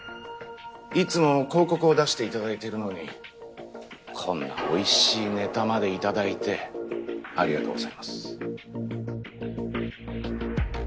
いつも広告を出していただいているのにこんなおいしいネタまで頂いてありがとうございます。